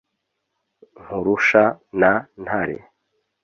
Nkurusha na Ntare,